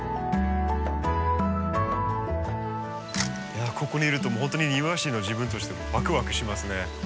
いやここにいるともうほんとに庭師の自分としてワクワクしますね。